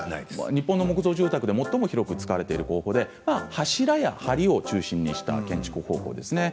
日本の木材住宅で最も広く使われている工法で柱や梁を中心にした建築方法です。